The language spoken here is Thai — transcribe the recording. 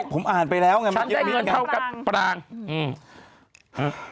ผมอ่านไปแล้วไง